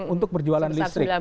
untuk perjualan listrik